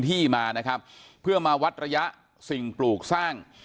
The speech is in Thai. ตามกฎหมายคือ